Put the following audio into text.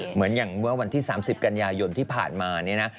เหมือนอย่างเมื่อวันที่๓๐กันยายนที่ผ่านมาเนี่ยนะ